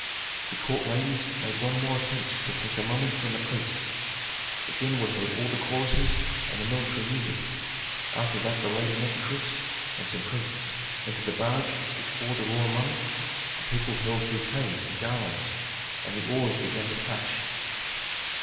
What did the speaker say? The court ladies made one more attempt to take the mummy from the priests; again were heard all the choruses and the military music. After that the lady Nikotris and some priests entered the barge which bore the royal mummy, the people hurled bouquets and garlands and the oars began to plash.